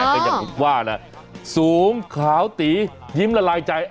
ก็ยังถูกว่าสูงขาวตียิ้มละลายใจ